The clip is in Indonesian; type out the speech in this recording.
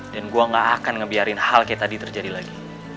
dan gue gak akan ngebiarin hal kayak tadi terjadi lagi